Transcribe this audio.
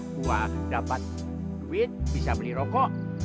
buah dapat duit bisa beli rokok